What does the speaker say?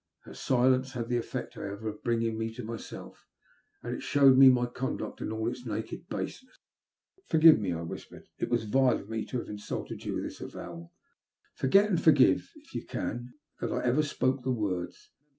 Her silence had the effect, however, of bringing me to myself, and it showed me my conduct in all its naked baseness. "Forgive me," I whispered; "it was vile ol me to have insulted you with this avowal. Forget — and forgive, if you can — that I ever spoke the words.